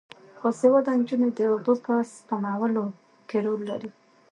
باسواده نجونې د اوبو په سپمولو کې رول لري.